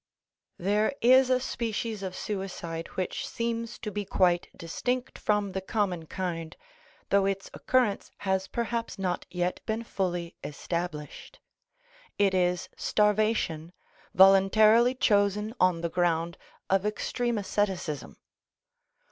There is a species of suicide which seems to be quite distinct from the common kind, though its occurrence has perhaps not yet been fully established. It is starvation, voluntarily chosen on the ground of extreme asceticism.